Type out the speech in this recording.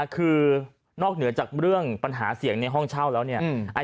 คือนอกเหนือจากเรื่องปัญหาเสียงในห้องเช่าแล้วเนี่ย